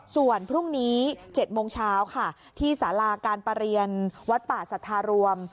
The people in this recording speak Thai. ส่วนพรุ่งนี้๗โมงเช้าค่ะที่สาราการประเรียนวัดป่าสัทธารวม